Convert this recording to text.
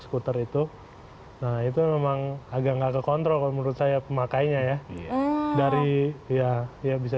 skuter itu nah itu memang agak nggak kekontrol kalau menurut saya pemakainya ya dari ya bisa